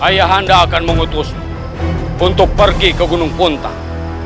ayah anda akan mengutus untuk pergi ke gunung puntang